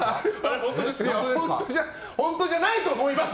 本当じゃないと思います！